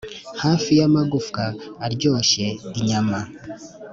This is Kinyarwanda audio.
hafi yamagufwa aryoshye inyama